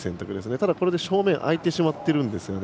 ただ、正面が空いてしまっているんですね。